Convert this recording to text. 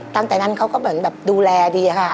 ตั้งแต่นั้นเขาก็เหมือนแบบดูแลดีค่ะ